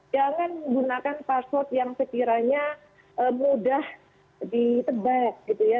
jangan menggunakan password yang sekiranya mudah ditebak gitu ya